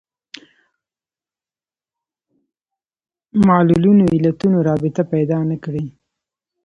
معلولونو علتونو رابطه پیدا نه کړي